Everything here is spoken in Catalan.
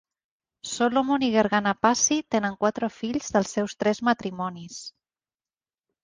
Solomon i Gergana Passy tenen quatre fills del seus tres matrimonis.